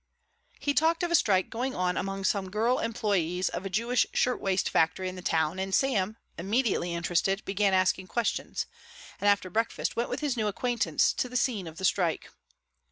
He talked of a strike going on among some girl employés of a Jewish shirtwaist factory in the town, and Sam, immediately interested, began asking questions, and after breakfast went with his new acquaintance to the scene of the strike.